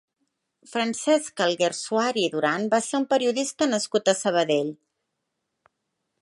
Francesc Alguersuari Duran va ser un periodista nascut a Sabadell.